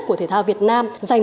của thể thao việt nam